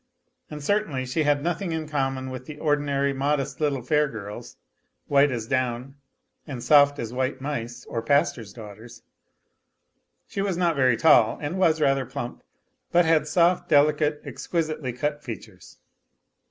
And certainly she had nothing in common with the ordinary modest little fair girls, white as down and soft as white mice, or pastors' daughters. She was not very tall, and was rather plump, but had soft, delicate, exquisitely cut features.